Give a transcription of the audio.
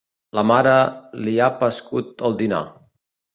La mare li ha pascut el dinar.